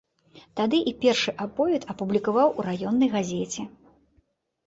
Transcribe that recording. Тады і першы аповед апублікаваў у раённай газеце.